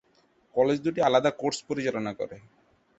কলেজটি দুইটি আলাদা কোর্স পরিচালনা করেঃ